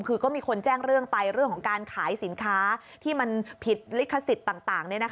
คือก็มีคนแจ้งเรื่องไปเรื่องของการขายสินค้าที่มันผิดลิขสิทธิ์ต่าง